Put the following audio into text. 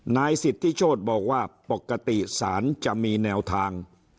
นายสิทธิโชธบอกว่าปกติศาลจะมีแนวทาง